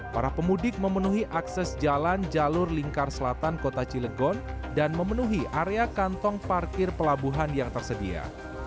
para pemudik memenuhi akses jalan jalur lingkar selatan kota cilegon dan memenuhi area kantong parkir pelabuhan yang tersedia